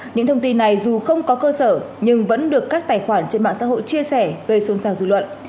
những thông tin này dù không có cơ sở nhưng vẫn được các tài khoản trên mạng xã hội chia sẻ gây xôn xao dư luận